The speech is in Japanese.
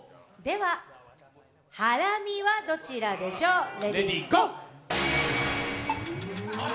では、ハラミはどちらでしょう？